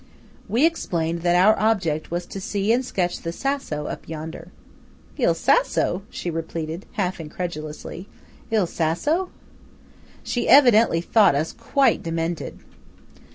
We explained that our object was to see and sketch the Sasso up yonder. "Il Sasso!" she repeated, half incredulously; "il Sasso!" She evidently thought us quite demented.